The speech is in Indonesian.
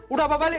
udah apa balik